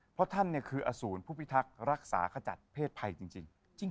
เพราะท่านคืออสูรผู้พิทักษ์รักษาขจัดเพศภัยจริง